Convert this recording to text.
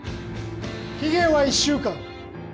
期限は１週間。